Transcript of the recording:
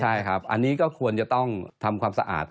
ใช่ครับอันนี้ก็ควรจะต้องทำความสะอาด